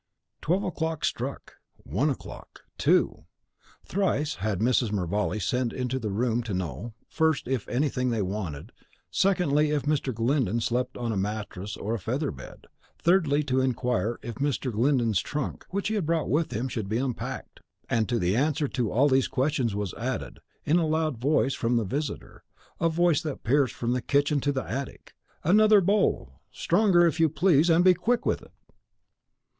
Twelve o'clock struck, one o'clock, two! Thrice had Mrs. Mervale sent into the room to know, first, if they wanted anything; secondly, if Mr. Glyndon slept on a mattress or feather bed; thirdly, to inquire if Mr. Glyndon's trunk, which he had brought with him, should be unpacked. And to the answer to all these questions was added, in a loud voice from the visitor, a voice that pierced from the kitchen to the attic, "Another bowl! stronger, if you please, and be quick with it!"